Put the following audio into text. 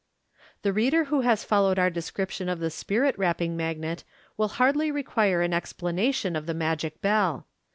The reader who has followed our description of the spirit rapping magnet will hardly require an explanation of the magic bell.